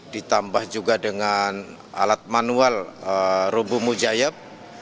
ditambah juga dengan alat manual rubuh mujayab